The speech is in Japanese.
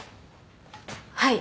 はい。